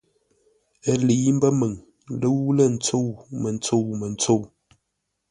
Ə́ lə̌i mbə́ məŋ lə́u-lə̂-ntsəu, mə́ntsə́u-mə́ntsə́u.